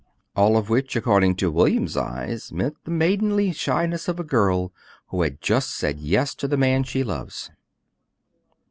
All of which, according to William's eyes, meant the maidenly shyness of a girl who has just said "yes" to the man she loves.